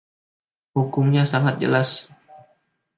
Hukumnya sangat jelas.